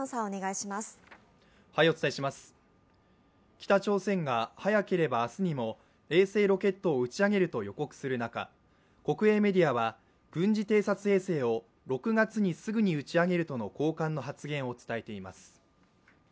北朝鮮が早ければ明日にも衛星ロケットを打ち上げると予告する中、国営メディアは軍事偵察衛星を６月にすぐに打ち上げるとの交換の発言を伝えています。